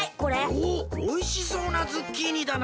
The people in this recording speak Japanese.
おおおいしそうなズッキーニだな。